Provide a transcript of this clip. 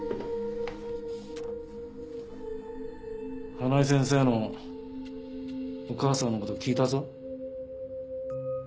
花井先生のお母さんの事聞いたぞ。